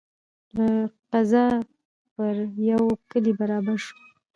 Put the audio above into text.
له قضا پر یوه کلي برابر سو